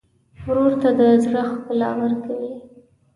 ورور ته د زړه ښکلا ورکوې.